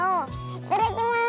いただきます！